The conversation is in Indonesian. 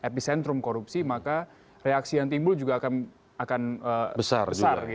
epicentrum korupsi maka reaksi yang timbul juga akan besar